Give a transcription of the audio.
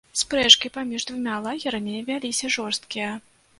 Спрэчкі паміж двума лагерамі вяліся жорсткія.